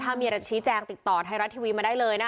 ถ้ามีอะไรชี้แจงติดต่อไทยรัฐทีวีมาได้เลยนะคะ